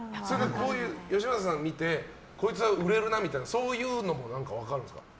よしまささん見てこいつは売れるなみたいなそういうのも分かるんですか。